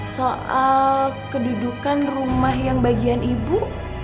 soal kedudukan rumah yang bagian ibu